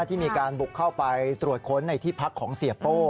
ที่มีการบุกเข้าไปตรวจค้นในที่พักของเสียโป้